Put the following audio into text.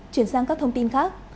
chuyển sang các thông tin khác